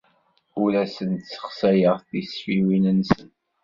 Ur asen-ssexsayeɣ tisfiwin-nsen.